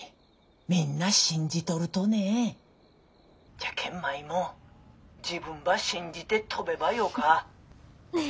じゃけん舞も自分ば信じて飛べばよか。